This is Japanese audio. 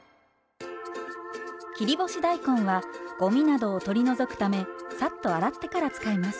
切り干し大根はごみなどを取り除くためサッと洗ってから使います。